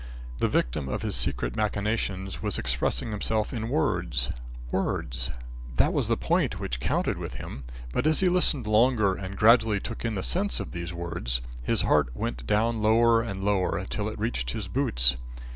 The victim of his secret machinations was expressing himself in words, words; that was the point which counted with him. But as he listened longer and gradually took in the sense of these words, his heart went down lower and lower till it reached his boots.